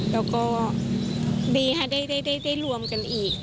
แล้วก็ดีค่ะได้รวมกันอีก